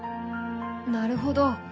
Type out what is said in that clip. なるほど。